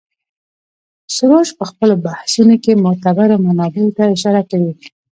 سروش په خپلو بحثونو کې معتبرو منابعو ته اشاره کوي.